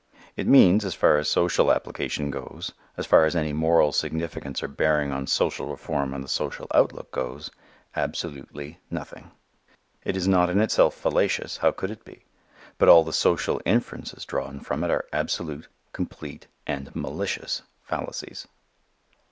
It means, as far as social application goes, as far as any moral significance or bearing on social reform and the social outlook goes, absolutely nothing. It is not in itself fallacious; how could it be? But all the social inferences drawn from it are absolute, complete and malicious fallacies.